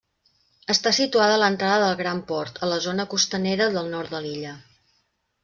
Està situada a l'entrada del Gran Port, a la zona costanera del nord de l'illa.